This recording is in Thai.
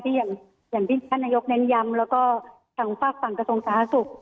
อย่างที่ท่านนายกเน้นย้ำแล้วก็ทางฝากฝั่งกระทรวงสาธารณสุข